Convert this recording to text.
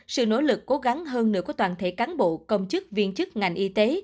sự nỗ lực cố gắng hơn nữa của toàn thể cán bộ công chức viên chức ngành y tế